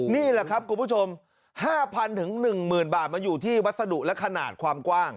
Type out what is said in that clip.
นี่แหละครับคุณผู้ชม๕๐๐๑๐๐๐บาทมันอยู่ที่วัสดุและขนาดความกว้าง